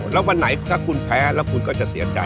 แล้ววันไหนถ้าคุณแพ้แล้วคุณก็จะเสียใจ